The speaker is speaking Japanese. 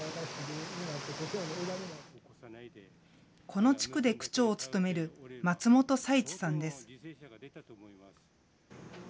この地区で区長を務める松本佐一さんです。